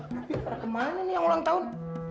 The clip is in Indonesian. ada setara kemana nih yang ulang tahun